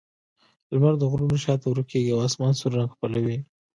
لمر د غرونو شا ته ورکېږي او آسمان سور رنګ خپلوي.